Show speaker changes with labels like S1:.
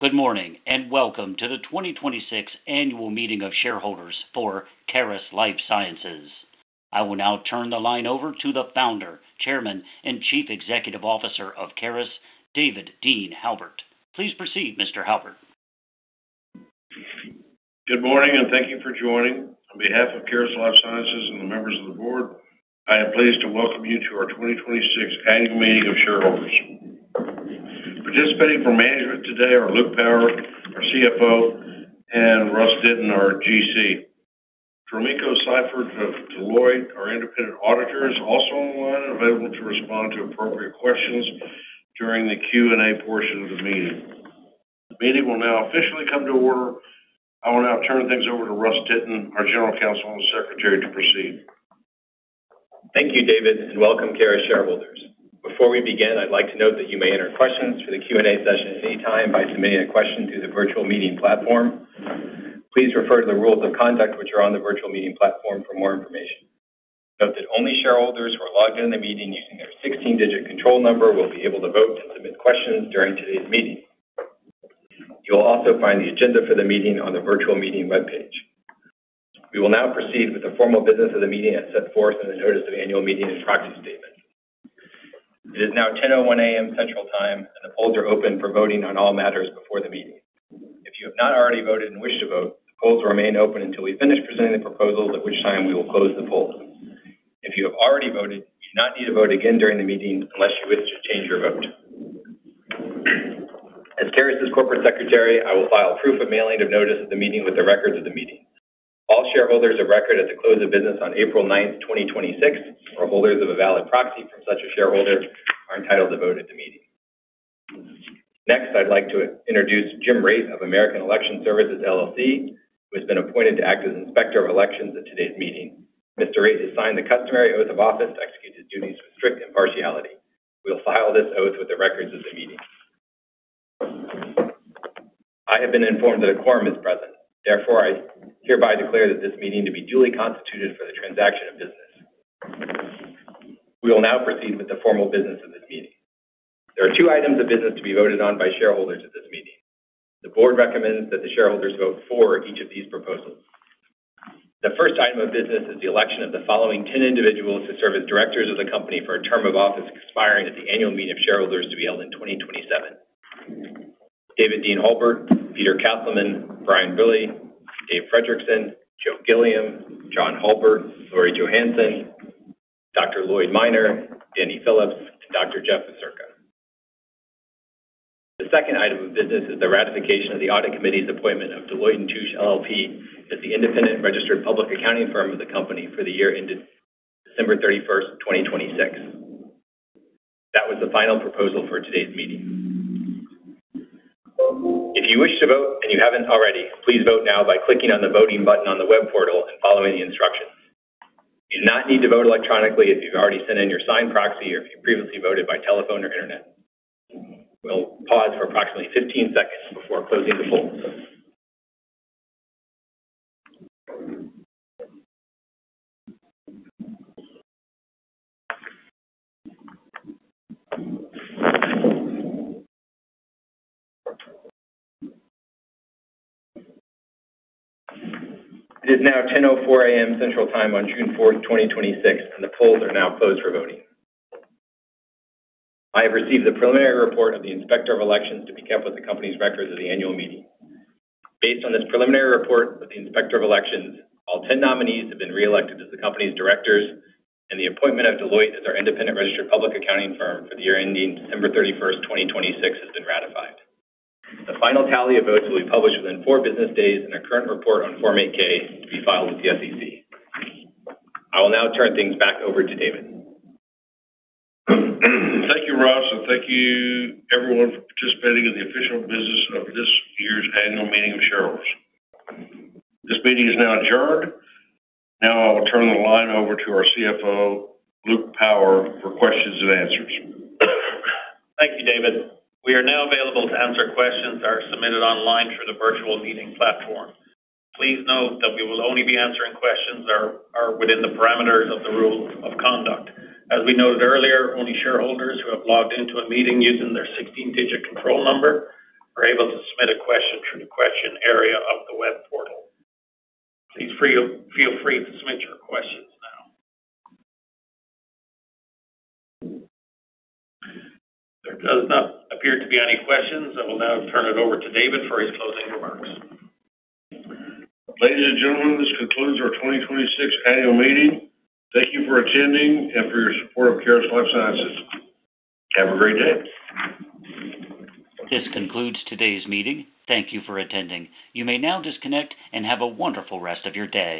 S1: Good morning. Welcome to the 2026 annual meeting of shareholders for Caris Life Sciences. I will now turn the line over to the Founder, Chairman, and Chief Executive Officer of Caris, David Dean Halbert. Please proceed, Mr. Halbert
S2: Good morning, and thank you for joining. On behalf of Caris Life Sciences and the members of the board, I am pleased to welcome you to our 2026 annual meeting of shareholders. Participating for management today are Luke Power, our CFO, and Russ Denton, our GC. From Eco Cypher of Deloitte, our independent auditors, also online and available to respond to appropriate questions during the Q&A portion of the meeting. The meeting will now officially come to order. I will now turn things over to Russ Denton, our General Counsel and Secretary, to proceed.
S3: Thank you, David, and welcome, Caris shareholders. Before we begin, I'd like to note that you may enter questions for the Q&A session at any time by submitting a question through the virtual meeting platform. Please refer to the rules of conduct which are on the virtual meeting platform for more information. Note that only shareholders who are logged in the meeting using their 16-digit control number will be able to vote and submit questions during today's meeting. You will also find the agenda for the meeting on the virtual meeting webpage. We will now proceed with the formal business of the meeting as set forth in the notice of annual meeting and proxy statement. It is now 10:01 A.M Central Time, and the polls are open for voting on all matters before the meeting. If you have not already voted and wish to vote, the polls will remain open until we finish presenting the proposals, at which time we will close the polls. If you have already voted, you do not need to vote again during the meeting unless you wish to change your vote. As Caris' corporate secretary, I will file proof of mailing of notice of the meeting with the records of the meeting. All shareholders of record at the close of business on April 9, 2026, or holders of a valid proxy from such a shareholder, are entitled to vote at the meeting. Next, I'd like to introduce Jim Rate of American Election Services, LLC, who has been appointed to act as Inspector of Elections at today's meeting. Mr. Rate has signed the customary oath of office to execute his duties with strict impartiality. We'll file this oath with the records of the meeting. I have been informed that a quorum is present. Therefore, I hereby declare this meeting to be duly constituted for the transaction of business. We will now proceed with the formal business of this meeting. There are two items of business to be voted on by shareholders at this meeting. The board recommends that the shareholders vote for each of these proposals. The first item of business is the election of the following 10 individuals to serve as directors of the company for a term of office expiring at the annual meeting of shareholders to be held in 2027. David Dean Halbert, Peter Castleman, Brian Brille, Dave Fredrickson, Joe Gilliam, Jon Halbert, Laurie Johansen, Dr. Lloyd Minor, Danny Phillips, and Dr. Jeffrey Vacirca. The second item of business is the ratification of the audit committee's appointment of Deloitte & Touche LLP as the independent registered public accounting firm of the company for the year ended December 31st, 2026. That was the final proposal for today's meeting. If you wish to vote and you haven't already, please vote now by clicking on the voting button on the web portal and following the instructions. You do not need to vote electronically if you've already sent in your signed proxy or if you previously voted by telephone or internet. We'll pause for approximately 15 seconds before closing the polls. It is now 10:04 A.M. Central Time on June 4th, 2026, and the polls are now closed for voting. I have received a preliminary report of the Inspector of Elections to be kept with the company's records of the annual meeting. Based on this preliminary report of the Inspector of Elections, all 10 nominees have been reelected as the company's directors, and the appointment of Deloitte as our independent registered public accounting firm for the year ending December 31st, 2026, has been ratified. The final tally of votes will be published within four business days in a current report on Form 8-K to be filed with the SEC. I will now turn things back over to David.
S2: Thank you, Russ, and thank you everyone for participating in the official business of this year's annual meeting of shareholders. This meeting is now adjourned. Now I will turn the line over to our CFO, Luke Power, for questions and answers.
S4: Thank you, David. We are now available to answer questions that are submitted online through the virtual meeting platform. Please note that we will only be answering questions that are within the parameters of the rules of conduct. As we noted earlier, only shareholders who have logged into a meeting using their 16-digit control number are able to submit a question through the question area of the web portal. Please feel free to submit your questions now. There does not appear to be any questions. I will now turn it over to David for his closing remarks.
S2: Ladies and gentlemen, this concludes our 2026 annual meeting. Thank you for attending and for your support of Caris Life Sciences. Have a great day.
S1: This concludes today's meeting. Thank you for attending. You may now disconnect and have a wonderful rest of your day.